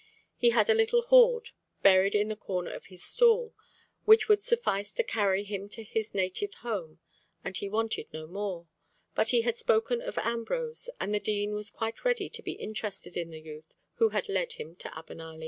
He had a little hoard, buried in the corner of his stall, which would suffice to carry him to his native home and he wanted no more; but he had spoken of Ambrose, and the Dean was quite ready to be interested in the youth who had led him to Abenali.